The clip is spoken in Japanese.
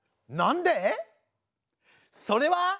それは！